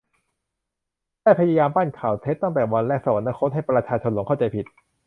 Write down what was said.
ได้พยายามปั้นข่าวเท็จตั้งแต่วันแรกสวรรคต ให้ประชาชนหลงเข้าใจผิด